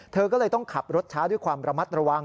เธอก็เลยต้องขับรถช้าด้วยความระมัดระวัง